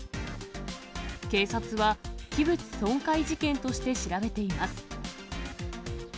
警察は、器物損壊事件として調べています。